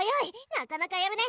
なかなかやるね。